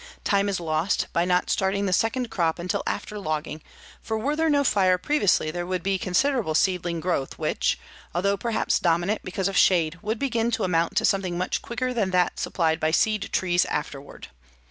Time is lost by not starting the second crop until after logging, for were there no fire previously there would be considerable seedling growth which, although perhaps dormant because of shade, would begin to amount to something much quicker than that supplied by seed trees afterward.